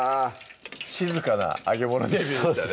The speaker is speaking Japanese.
静かな揚げ物デビューでしたね